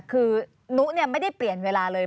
คือนุ๊กเนี่ยไม่ได้เปลี่ยนเวลาเลย